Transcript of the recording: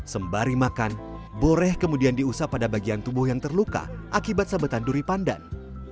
sembari makan boreh kemudian diusap pada bagian tubuh yang terluka akibat sabetan duri pandan